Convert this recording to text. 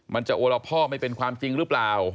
มันจะโอละพ่อไม่เป็นความจริงหรือเปล่า